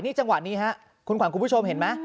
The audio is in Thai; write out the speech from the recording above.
จังหวะนี้ครับคุณขวัญคุณผู้ชมเห็นไหม